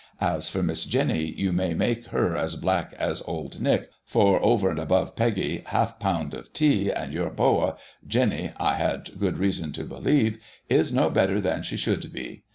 As for Miss Jeny ye may mak her as black as auld nick, for over and above P^gies half pund of tea, and your Bowa, Jeny (I hae good reason to believe) is no better than she should be.